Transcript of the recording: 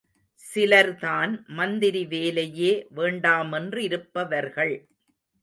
சிலர்தான் மந்திரி வேலையே வேண்டாமென்றிருப்பவர்கள்.